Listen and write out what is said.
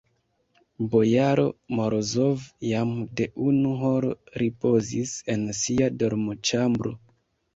Bojaro Morozov jam de unu horo ripozis en sia dormoĉambro.